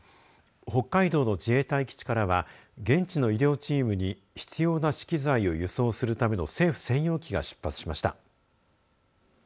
北海道の自衛隊基地からは現地の医療チームに必要な資機材を輸送するための政府専用機が出発しました。